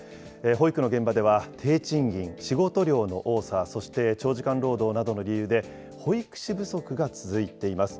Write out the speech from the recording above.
保育の現場では低賃金、仕事量の多さ、そして長時間労働などの理由で、保育士不足が続いています。